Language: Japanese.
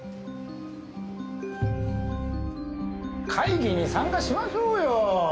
会議に参加しましょうよ！